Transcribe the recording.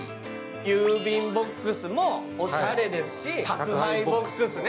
郵便ボックスもおしゃれですし、宅配ボックスね。